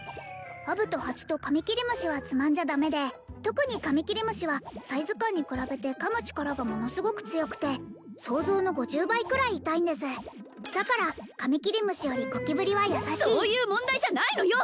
アブとハチとカミキリムシはつまんじゃダメで特にカミキリムシはサイズ感に比べて噛む力がものすごく強くて想像の５０倍くらい痛いんですだからカミキリムシよりゴキブリは優しいそういう問題じゃないのよ！